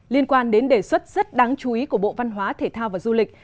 liên quan đến đề xuất rất đáng chú ý của bộ văn hóa thể thao và du lịch